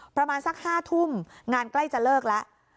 ประมาณสัก๕ทุ่มงานใกล้จะเลิกแล้ว